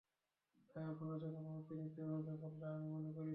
তাই আপনার থেকে অনুমতি নিতে হবে বলে আমি মনে করিনা।